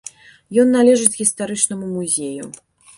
Ён належыць гістарычнаму музею.